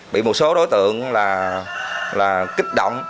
bị một số đối tượng là kích động